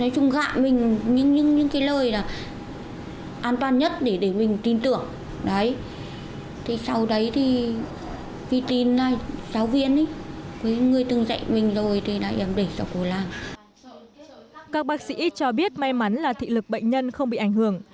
các bác sĩ cho biết may mắn là thị lực bệnh nhân không bị ảnh hưởng